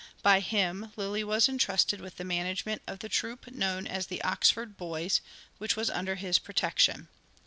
By him Lyly was entrusted with the management of the troupe known as the ' Oxford Boys,' which was under his protection.